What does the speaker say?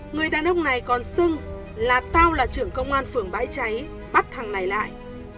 người đàn ông này còn xưng là tao là trưởng công an phường bãi cháy bắt hằng này lại